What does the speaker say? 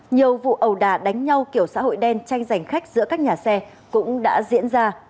nhiều vụ ầu đà đánh nhau kiểu xã hội đen tranh giành khách giữa các nhà xe cũng đã diễn ra